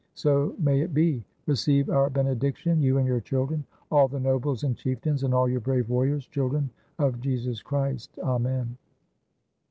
So may it be. Receive our benediction, you and your children, all the nobles and chieftains, and all your brave warriors, children of Jesus Christ. Amen."